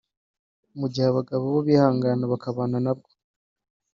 mu gihe abagabo bo bihangana bakabana nabwo